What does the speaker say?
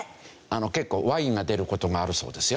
結構ワインが出る事があるそうですよ。